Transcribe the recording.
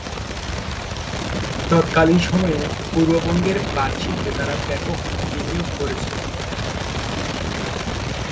তৎকালীন সময়ে পূর্ববঙ্গের পাট শিল্পে তারা ব্যাপক বিনিয়োগ করেছিল।